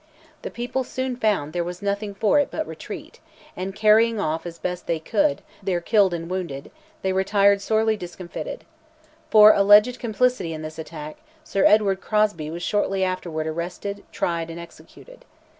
The people soon found there was nothing for it but retreat, and carrying off as best they could their killed and wounded, they retired sorely discomfited. For alleged complicity in this attack, Sir Edward Crosbie was shortly afterward arrested, tried and executed.